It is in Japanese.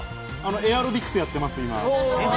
エアロビクスやっています。